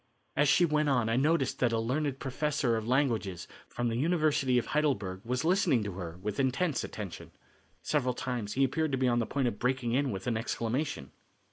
As she went on I noticed that a learned professor of languages from the University of Heidelberg was listening to her with intense attention. Several times he appeared to be on the point of breaking in with an exclamation.